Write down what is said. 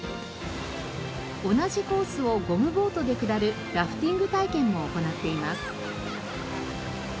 同じコースをゴムボートで下るラフティング体験も行っています。